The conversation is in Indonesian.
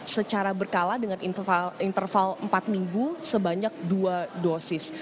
secara berkala dengan interval empat minggu sebanyak dua dosis